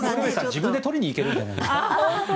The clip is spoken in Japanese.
自分で取りに行けるんじゃないですか。